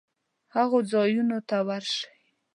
هغو ځایونو ته ورشي